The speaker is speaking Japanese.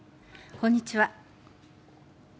こんにちは。